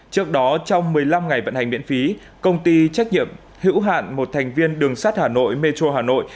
trước đó trong một mươi năm ngày vận hành miễn phí công ty trách nhiệm hữu hạn một thành viên đường sát hà nội metro hà nội